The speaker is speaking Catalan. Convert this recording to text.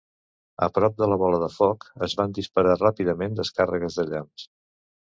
A prop de la bola de foc, es van disparar ràpidament descàrregues de llamps.